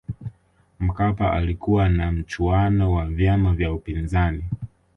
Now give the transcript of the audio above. mkapa alikuwa na mchuano wa vyama vya upinzani